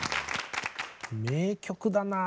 名曲だな。